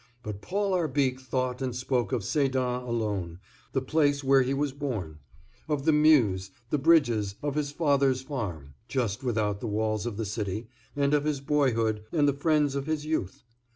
But Paul Arbique thought and spoke of Sedan alone, the place where he was born, of the Meuse, the bridges, of his father's farm, just without the walls of the city, and of his boyhood, and the friends of his youth.